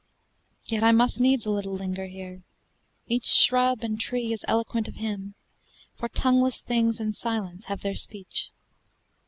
Yet I must needs a little linger here. Each shrub and tree is eloquent of him, For tongueless things and silence have their speech.